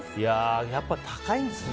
やっぱ高いんですね